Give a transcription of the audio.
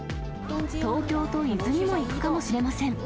東京と伊豆にも行くかもしれません。